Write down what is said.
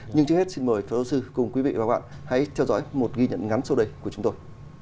nhưng trước hết xin mời phó giáo sư cùng quý vị và các bạn hãy theo dõi một ghi nhận ngắn sau đây của chúng tôi